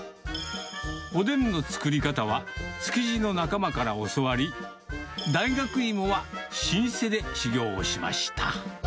おでんの作り方は、築地の仲間から教わり、大学いもは老舗で修業しました。